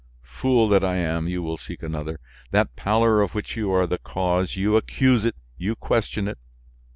Fool that I am! you will seek another. That pallor of which you are the cause, you accuse it, you question it.